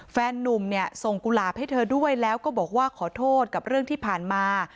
นุ่มเนี่ยส่งกุหลาบให้เธอด้วยแล้วก็บอกว่าขอโทษกับเรื่องที่ผ่านมา